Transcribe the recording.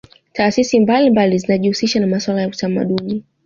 taasisi mbalimbali zinajihusisha na masuala ya utamadini